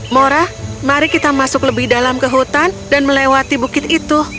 mora mari kita masuk lebih dalam ke hutan dan melewati bukit itu